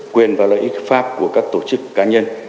quyền và lợi ích hợp pháp của các tổ chức cá nhân